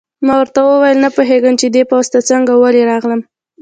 ما ورته وویل: نه پوهېږم چې دې پوځ ته څنګه او ولې راغلم.